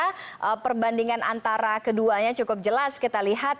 karena perbandingan antara keduanya cukup jelas kita lihat